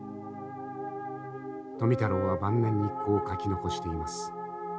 富太郎は晩年にこう書き残しています。